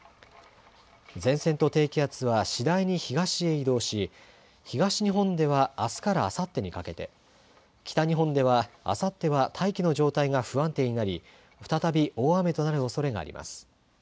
前線と低気圧は次第に東へ移動し、東日本ではあすからあさってにかけて、北日本ではあさっては大気の状態が不安定になり、再び大雨となるおそれがあります。